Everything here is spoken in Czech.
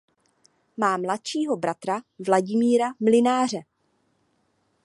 Má mladšího bratra Vladimíra Mlynáře.